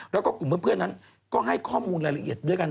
แล้วก็กลุ่มเพื่อนนั้นก็ให้ข้อมูลรายละเอียดด้วยกัน